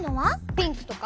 ピンクとか？